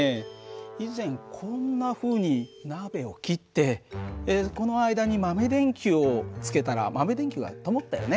以前こんなふうに鍋を切ってこの間に豆電球をつけたら豆電球がともったよね。